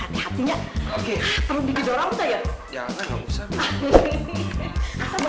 jangan gak usahathgvasih